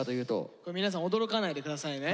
これ皆さん驚かないで下さいね。